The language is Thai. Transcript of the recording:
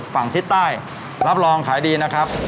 ฝั่งทิศใต้รับรองขายดีนะครับ